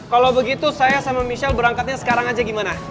kalau begitu saya sama michelle berangkatnya sekarang aja gimana